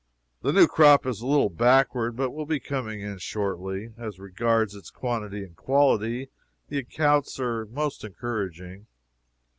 The new crop is a little backward, but will be coming in shortly. As regards its quantity and quality, the accounts are most encouraging.